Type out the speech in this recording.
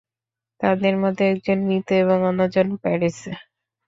তাদের মধ্যে একজন মৃত এবং অন্যজন প্যারিসে।